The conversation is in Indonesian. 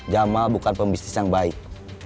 jama bukan pembisnis yang baik